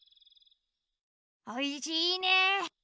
おいしいね。